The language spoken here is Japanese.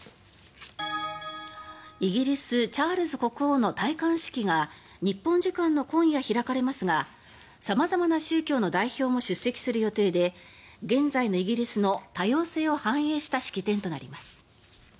イギリスチャールズ国王の戴冠式が日本時間の今夜開かれますが様々な宗教の代表も出席する予定で現在のイギリスの多様性を反映した式典となります。